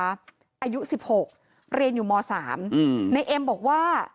อายุ๑๖เรียนอยู่ม๓ในเอ็มบอกว่า